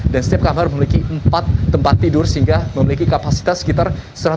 dan setiap kamar memiliki empat tempat tidur sehingga memiliki kapasitas sekitar satu ratus sembilan puluh dua